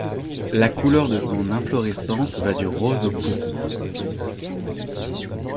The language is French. La couleur de son inflorescence va du rose au pourpre.